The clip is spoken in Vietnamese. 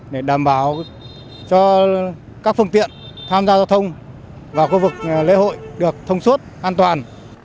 để đảm bảo cho các phương tiện tham gia giao thông vào khu vực lễ hội được thông suốt an toàn